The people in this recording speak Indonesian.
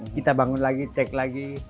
kita bangun lagi cek lagi